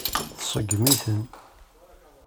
Tseggem-iten.